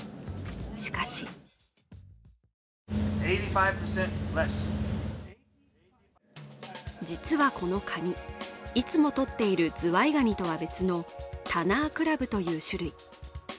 しかし実はこのかに、いつもとっているズワイガニとは別のタナークラブという種類。